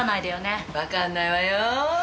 わかんないわよ。